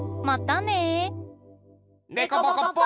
またね！